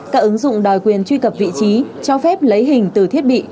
các ứng dụng đòi quyền truy cập vị trí cho phép lấy hình từ thiết bị